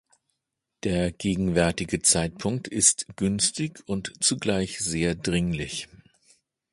Der gegenwärtige Zeitpunkt ist günstig und zugleich sehr dringlich.